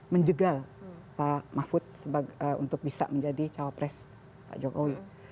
menjegal pak mahfud untuk bisa menjadi cawapres pak jokowi